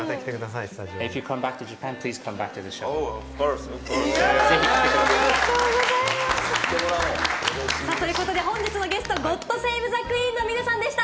オフコース！ということで、本日のゲスト、ゴッド・セイヴ・ザ・クイーンの皆さんでした。